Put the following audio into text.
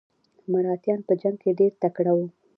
مراتیان په جنګ کې ډیر تکړه وو.